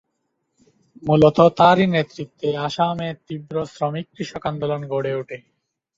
মূলত তারই নেতৃত্বে আসামে তীব্র শ্রমিক-কৃষক আন্দোলন গড়ে ওঠে।